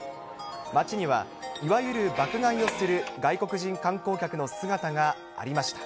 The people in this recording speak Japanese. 街には、いわゆる爆買いをする外国人観光客の姿がありました。